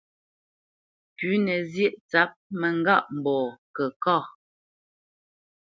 Pʉ̌nǝ zyéʼ tsǎp mǝŋgâʼmbɔɔ kǝ kâ.